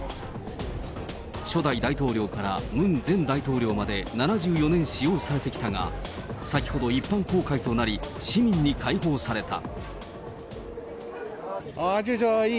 初代大統領からムン前大統領まで７４年使用されてきたが、先ほど一般公開となり、市民に開放された。